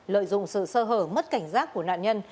lợi dụng sự sơ hở mất cảnh giác của nạn nhân